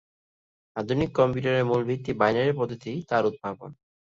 আধুনিক কম্পিউটারের মূল ভিত্তি বাইনারি পদ্ধতি তার উদ্ভাবন।